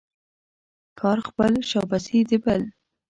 کار خپل ، شاباسي د بل.